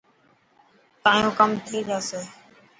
تايو ڪم ٿي جاسي.